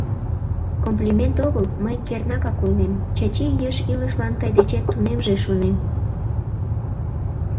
— Комплимент огыл, мый кернакак ойлем, Чачи еш илышлан тый дечет тунемже, шонем.